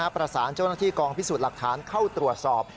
เจ้าหน้าที่กองพิสูจน์หลักฐานเข้าตรวจสอบ